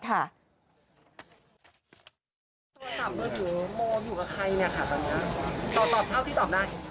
ตอบเท่าที่ตอบได้